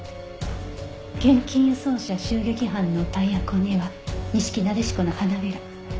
現金輸送車襲撃犯のタイヤ痕にはニシキナデシコの花びら。